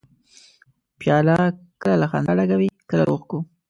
پیاله کله له خندا ډکه وي، کله له اوښکو.